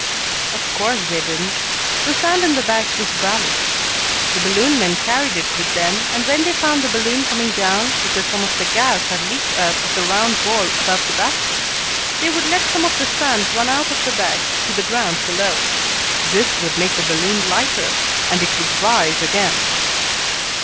Of course they didn't. The sand in the bags was "ballast." The balloon men carried it with them, and when they found the balloon coming down, because some of the gas had leaked out of the round ball above the basket, they would let some of the sand run out of the bags to the ground below. This would make the balloon lighter, and it would rise again.